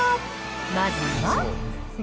まずは。